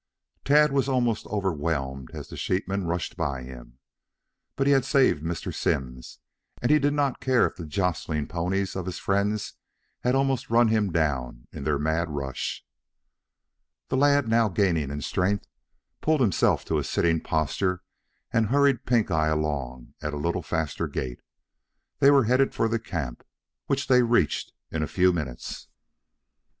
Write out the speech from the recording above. Tad was almost overwhelmed as the sheepmen rushed by him. But he had saved Mr. Simms and he did not care if the jostling ponies of his friends had almost run him down in their mad rush. The lad now gaining in strength, pulled himself to a sitting posture and hurried Pink eye along at a little faster gait. They were headed for the camp, which they reached in a few minutes.